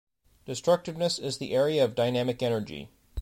Destructiveness is the area of dynamic energy.